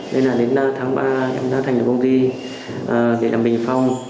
nên là đến tháng ba em đã thành lập công ty để làm bình phong